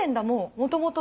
もともと。